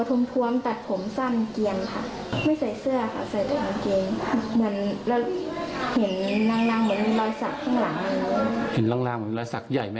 กลัวไหมครับตอนนี้ยังหวาดเยอะไหม